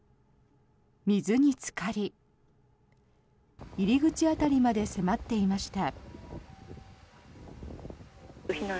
水につかり入り口辺りまで迫っていました。